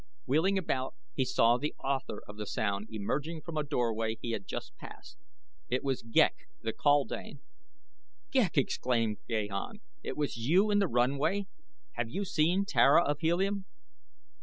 Wheeling about he saw the author of the sound emerging from a doorway he had just passed. It was Ghek the kaldane. "Ghek!" exclaimed Gahan. "It was you in the runway? Have you seen Tara of Helium?"